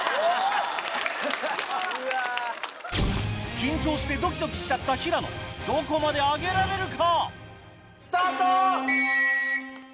⁉緊張してドキドキしちゃった平野どこまで上げられるか？